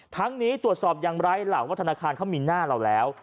ทั้งนี้ตรวจสอบอย่างไร้หลังว่าธนาคารเขามีหน้าเราแล้ว